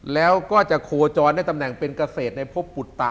แล้วก็จะโคจรได้ตำแหน่งเป็นเกษตรในพบปุตตะ